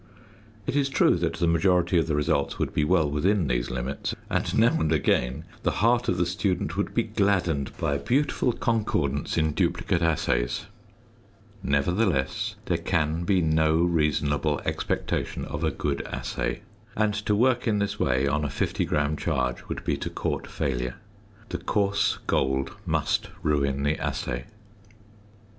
It is true that the majority of the results would be well within these limits, and now and again the heart of the student would be gladdened by a beautiful concordance in duplicate assays; nevertheless, there can be no reasonable expectation of a good assay, and to work in this way, on a 50 gram charge, would be to court failure. The coarse gold must ruin the assay.